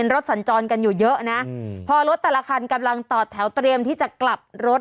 สัญจรกันอยู่เยอะนะพอรถแต่ละคันกำลังต่อแถวเตรียมที่จะกลับรถ